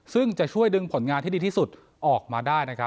ซึ่งจะช่วยดึงผลงานที่ดีที่สุดออกมาได้นะครับ